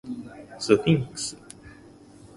スフィンクス